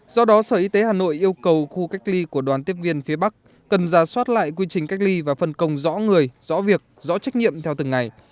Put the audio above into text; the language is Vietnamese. do đó sở y tế hà nội yêu cầu khu cách ly của đoàn tiếp viên phía bắc cần giả soát lại quy trình cách ly và phân công rõ người rõ việc rõ trách nhiệm theo từng ngày